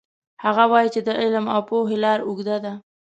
هغه وایي چې د علم او پوهې لار اوږده ده